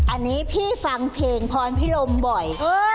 อันนี้พี่ฟังเพลงพรพิรมบ่อย